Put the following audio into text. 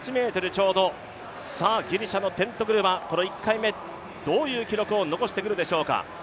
ちょうど、ギリシャのテントグルはこの１回目どういう記録を残してくるでしょうか。